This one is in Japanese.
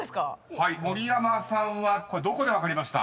［盛山さんはどこで分かりました？］